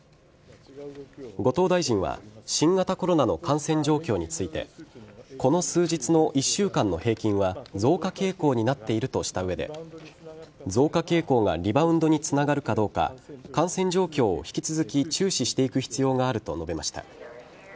後藤大臣は新型コロナの感染状況についてこの数日の１週間の平均は増加傾向になっているとした上で増加傾向がリバウンドにつながるかどうか感染状況を引き続き注視していく必要があると述べました。